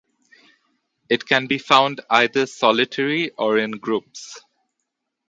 It can be found either solitary or in groups.